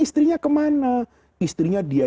istrinya kemana istrinya dia